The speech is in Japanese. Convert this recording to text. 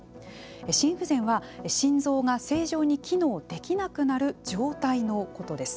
心不全は、心臓が正常に機能できなくなる状態のことです。